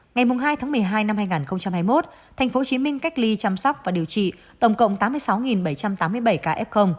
ngày hai tháng một mươi hai năm hai nghìn hai mươi một tp hcm cách ly chăm sóc và điều trị tổng cộng tám mươi sáu bảy trăm tám mươi bảy ca f